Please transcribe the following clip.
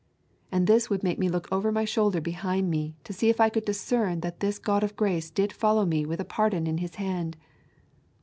And this would make me look over my shoulder behind me to see if I could discern that this God of grace did follow me with a pardon in His hand.